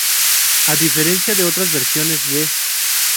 A diferencia de otras versiones de.